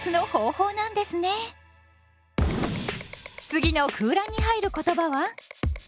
次の空欄に入る言葉は？